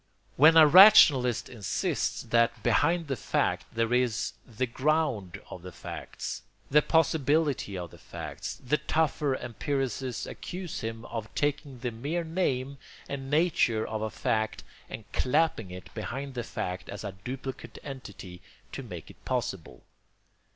When a rationalist insists that behind the facts there is the GROUND of the facts, the POSSIBILITY of the facts, the tougher empiricists accuse him of taking the mere name and nature of a fact and clapping it behind the fact as a duplicate entity to make it possible.